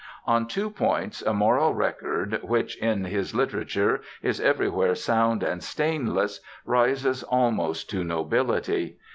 On two points a moral record which, in his literature, is everywhere sound and stainless, rises almost to nobility.